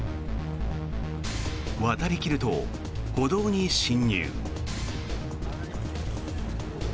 渡り切ると歩道に進入。